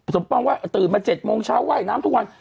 สมปองไหว้ตื่นมา๗โมงเช้าไหว้น้ำทุกวัน